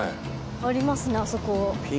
ありますねあそこ。